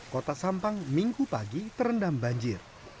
kota sampang minggu pagi terendam banjir